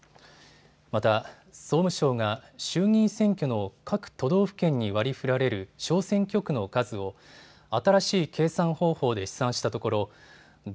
また総務省が衆議院選挙の各都道府県に割りふられる小選挙区の数を新しい計算方法で試算したところ５